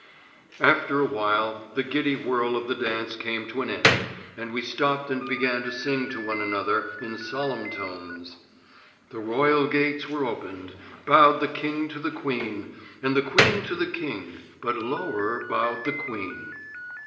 After a while the giddy whirl of the dance came to an end, and we stopped and began to sing to one another, in solemn tones: "The royal gates were opened, Bowed the king to the queen, And the queen to the king, But lower bowed the queen."